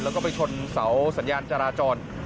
แล้วก็ไปชนเสาสัญญาณจราจร